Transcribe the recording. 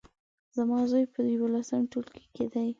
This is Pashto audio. زما زوی په يولسم ټولګي کې دی